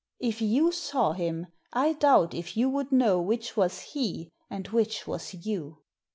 If you saw him, I doubt if you would know which was he and which was you."